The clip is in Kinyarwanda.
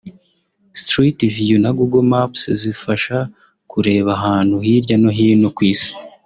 street view na google maps zifasha kureba ahantu hirya no hino ku isi